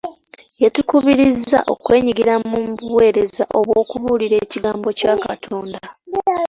Yatukubirizza okwenyigira mu buweereza bw'okubuulira ekigambo kya Katonda.